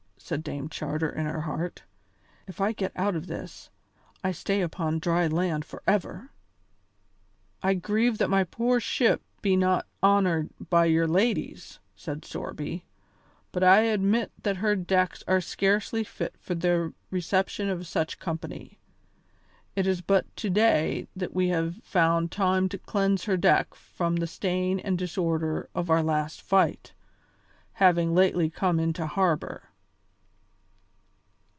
said Dame Charter in her heart. "If I get out of this, I stay upon dry land forever." "I grieve that my poor ship be not honoured by your ladies," said Sorby, "but I admit that her decks are scarcely fit for the reception of such company. It is but to day that we have found time to cleanse her deck from the stain and disorder of our last fight, having lately come into harbour.